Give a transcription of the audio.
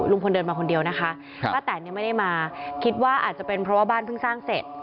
ลุงพลเดินมาคนเดียวนะคะป้าแตนเนี่ยไม่ได้มาคิดว่าอาจจะเป็นเพราะว่าบ้านเพิ่งสร้างเสร็จ